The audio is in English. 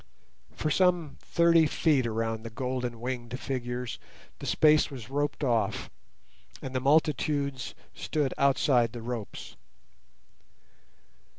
For some thirty feet around the golden winged figures the space was roped off, and the multitudes stood outside the ropes.